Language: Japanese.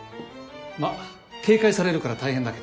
まっ警戒されるから大変だけど。